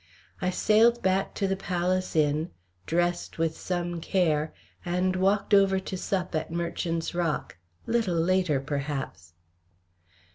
I sailed back to the Palace Inn, dressed with some care, and walked over to sup at Merchant's Rock little later perhaps.